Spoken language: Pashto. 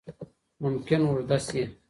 ممکن اوږده سي.